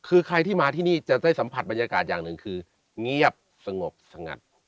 คือใครที่มาที่นี่จะได้สัมผัสบรรยากาศอย่างหนึ่งคือเงียบสงบสงัด